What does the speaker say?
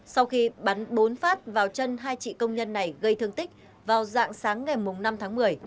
sau khi bắn bốn phát vào chân hai chị công nhân này gây thương tích vào dạng sáng ngày năm tháng một mươi